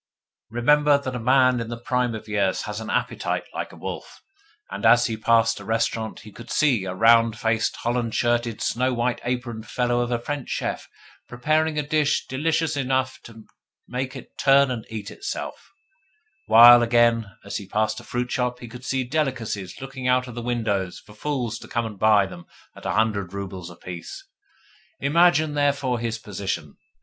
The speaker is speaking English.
Remember that a man in the prime of years has an appetite like a wolf; and as he passed a restaurant he could see a round faced, holland shirted, snow white aproned fellow of a French chef preparing a dish delicious enough to make it turn to and eat itself; while, again, as he passed a fruit shop he could see delicacies looking out of a window for fools to come and buy them at a hundred roubles apiece. Imagine, therefore, his position!